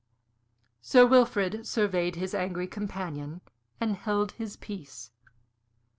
Sir Wilfrid surveyed his angry companion and held his peace.